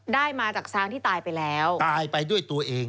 ได้มาจากช้างที่ตายไปแล้วตายไปด้วยตัวเอง